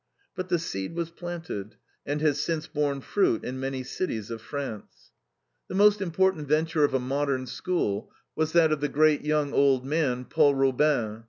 But the seed was planted, and has since borne fruit in many cities of France. The most important venture of a Modern School was that of the great, young old man, Paul Robin.